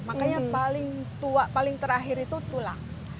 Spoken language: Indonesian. makanya paling tua paling terakhir itu tulang